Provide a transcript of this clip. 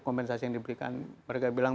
kompensasi yang diberikan mereka bilang